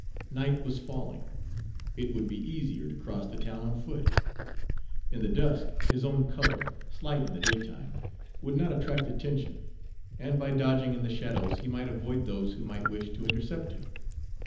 Night was falling. It would be easier to cross the town on foot. In the dusk his own color, slight in the daytime, would not attract attention, and by dodging in the shadows he might avoid those who might wish to intercept him.